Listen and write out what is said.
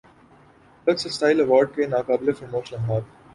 looks style award کے ناقابل فراموش لمحات